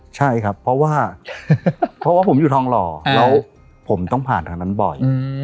ใช่ครับเพราะว่าเพราะว่าผมอยู่ทองหล่อแล้วผมต้องผ่านทางนั้นบ่อย